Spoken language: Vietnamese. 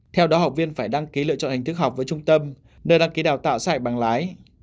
theo đó học viên phải đăng ký lựa chọn hình thức học với trung tâm nơi đăng ký đào tạo sai bằng lái